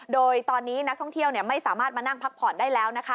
โดยตอนนี้นักท่องเที่ยวไม่สามารถมานั่งพักผ่อนได้แล้วนะคะ